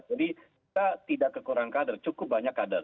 jadi kita tidak kekurangan kader cukup banyak kader